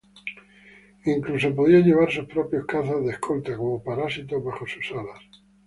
Incluso podía llevar sus propios cazas de escolta, como parásitos bajo sus alas.